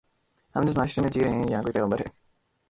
ہم جس معاشرے میں جی رہے ہیں، یہاں کوئی پیغمبر ہے۔